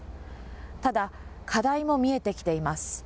ただ、課題も見えてきています。